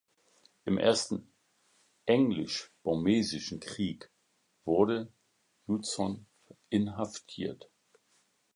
Im Ersten Englisch-Burmesischen Krieg wurde Judson inhaftiert.